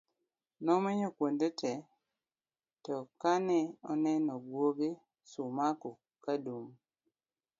nomenyo kuonde te to ka ne oneno gwoge Sumaku kadum